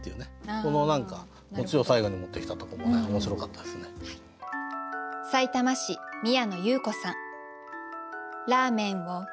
このオチを最後に持ってきたとこもね面白かったですね。